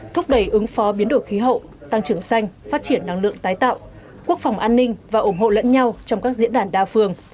thúc đẩy ứng phó biến đổi khí hậu tăng trưởng xanh phát triển năng lượng tái tạo quốc phòng an ninh và ủng hộ lẫn nhau trong các diễn đàn đa phương